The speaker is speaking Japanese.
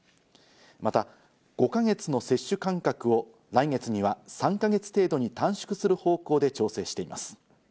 また５か月の接種間隔を来月には３か月程度に短縮する方向で調整しています。